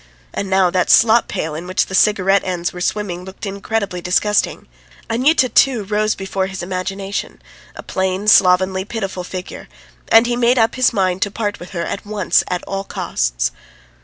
And now that slop pail in which the cigarette ends were swimming looked incredibly disgusting. Anyuta, too, rose before his imagination a plain, slovenly, pitiful figure ... and he made up his mind to part with her at once, at all costs.